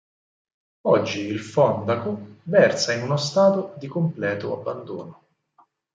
Oggi il Fondaco versa in uno stato di completo abbandono.